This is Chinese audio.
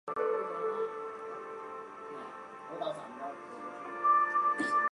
现为纽约执业律师。